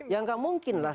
ya nggak mungkin lah